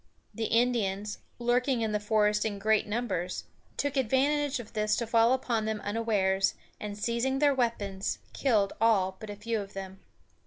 The Indians, lurking in the forest in great numbers, took advantage of this to fall upon them unawares, and seizing their weapons, killed all but a few of them.